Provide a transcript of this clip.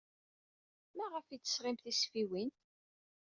Maɣef ay tesseɣsim tisfiwin?